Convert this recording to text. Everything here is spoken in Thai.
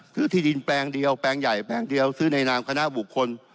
ที่ดินแปลงเดียวแปลงใหญ่แปลงเดียวซื้อในนามคณะบุคคล